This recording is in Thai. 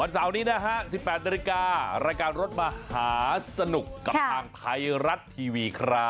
เสาร์นี้นะฮะ๑๘นาฬิการายการรถมหาสนุกกับทางไทยรัฐทีวีครับ